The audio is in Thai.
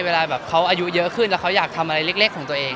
เวลาแบบเขาอายุเยอะขึ้นแล้วเขาอยากทำอะไรเล็กของตัวเอง